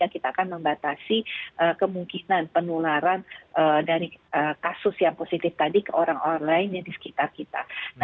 kita akan membatasi kemungkinan penularan dari kasus yang positif tadi ke orang orang lain yang di sekitar kita